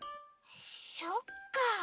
そっか。